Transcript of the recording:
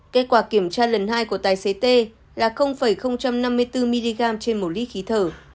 kết quả kiểm tra lần hai của tài xế t là năm mươi bốn mg trên một lít khí thở